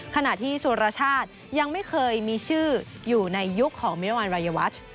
ขณะที่สุรชาติยังไม่เคยมีชื่ออยู่ในยุคของมิรวรรณรายวัช